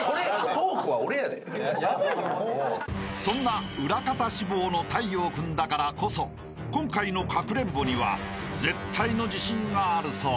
［そんな裏方志望の太陽君だからこそ今回のかくれんぼには絶対の自信があるそう］